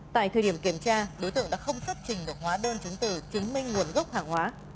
tại thời điểm kiểm tra đối tượng đã không xuất trình được hóa đơn chứng từ chứng minh nguồn gốc hàng hóa